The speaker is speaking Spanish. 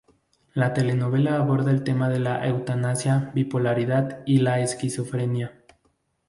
La telenovela aborda el tema de la eutanasia, bipolaridad y la esquizofrenia.